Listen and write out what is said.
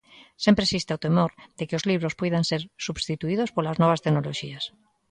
Sempre existe o temor de que os libros poidan ser substituídos polas novas tecnoloxías.